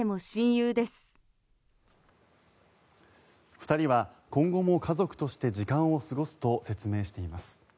２人は今後も家族として時間を過ごすと説明しています。